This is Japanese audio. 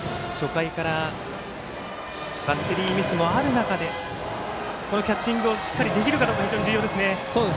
初回からバッテリーミスもある中でキャッチングをできるかどうか重要ですね。